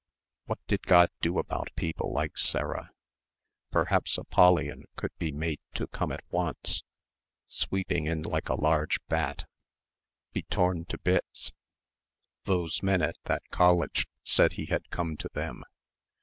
What did God do about people like Sarah? Perhaps Apollyon could be made to come at once sweeping in like a large bat be torn to bits those men at that college said he had come to them.